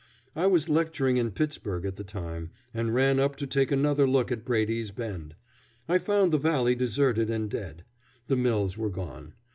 I was lecturing in Pittsburg at the time, and ran up to take another look at Brady's Bend. I found the valley deserted and dead. The mills were gone.